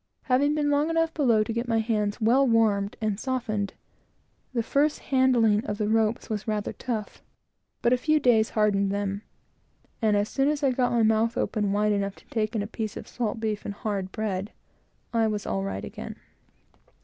Having been long enough below to get my hands well warmed and softened, the first handling of the ropes was rather tough; but a few days hardened them, and as soon as I got my mouth open wide enough to take in a piece of salt beef and hard bread, I was all right again.